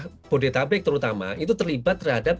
jabodetabek terutama itu terlibat terhadap